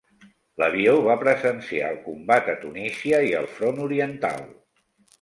L'avió va presenciar el combat a Tunísia i al Front Oriental.